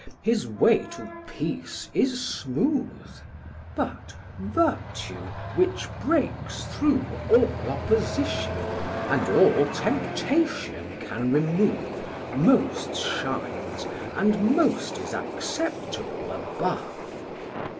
his way to peace is smooth: But vertue which breaks through all opposition, 1050 And all temptation can remove, Most shines and most is acceptable above.